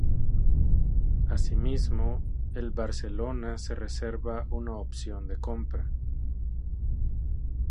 Asimismo, el Barcelona se reserva una opción de compra.